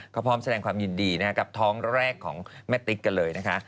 ก็พร้อมแสดงความยินดีกับท้องแรกของแม่ติ๊กกันเลยนะคะ